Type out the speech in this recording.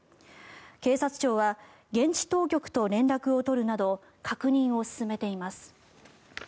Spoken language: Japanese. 警察庁は現地当局と連絡を取るなど確認を進めています。